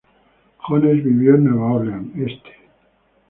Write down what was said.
Jones vivió en Nueva Orleans Este.